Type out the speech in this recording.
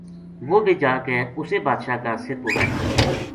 وہ بھی جا کے اُسے بادشاہ کا سر پو بیٹھو